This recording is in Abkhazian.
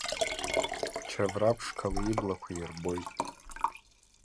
Чавра ԥшқала иблақәа ирбоит.